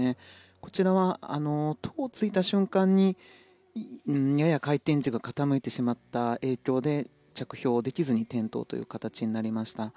こちらは手をついた瞬間にやや回転軸が傾いた影響で、着氷できずに転倒という形になりました。